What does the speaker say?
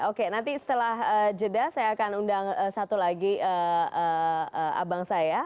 oke nanti setelah jeda saya akan undang satu lagi abang saya